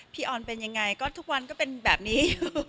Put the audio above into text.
ออนเป็นยังไงก็ทุกวันก็เป็นแบบนี้